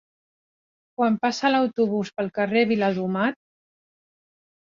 Quan passa l'autobús pel carrer Viladomat?